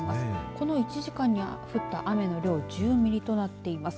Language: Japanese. この１時間に降った雨の量１０ミリとなっています。